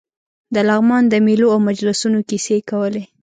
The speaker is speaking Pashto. د لغمان د مېلو او مجلسونو کیسې کولې.